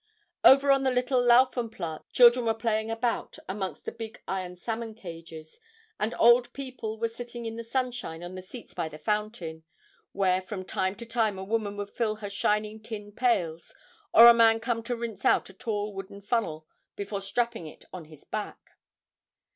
Over on the little Laufenplatz children were playing about amongst the big iron salmon cages, and old people were sitting in the sunshine on the seats by the fountain, where from time to time a woman would fill her shining tin pails, or a man come to rinse out a tall wooden funnel before strapping it on his back.